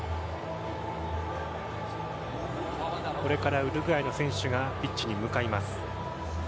これからウルグアイの選手がピッチに向かいます。